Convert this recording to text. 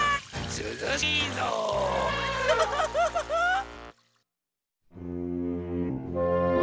すずしいぞう！